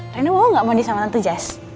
rena mau gak mandi sama tantu jas